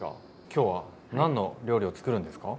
今日は何の料理をつくるんですか？